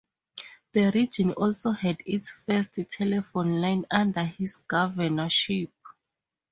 The region also had its first telephone line under his governorship.